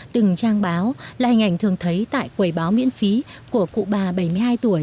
từng trang báo là hình ảnh thường thấy tại quầy báo miễn phí của cụ bà bảy mươi hai tuổi